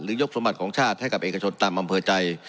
ยกสมบัติของชาติให้กับเอกชนตามอำเภอใจ